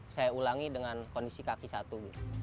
saya ulangi dengan kondisi kaki satu